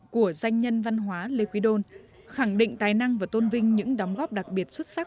của doanh nhân văn hóa lê quý đôn khẳng định tài năng và tôn vinh những đóng góp đặc biệt xuất sắc